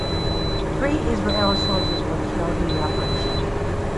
Three Israeli soldiers were killed in the operation.